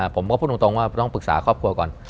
ผมก็พูดตรงว่าต้องปรึกษาครอบครัวก่อน